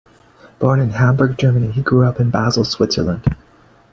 Born in Hamburg, Germany, he grew up in Basel, Switzerland.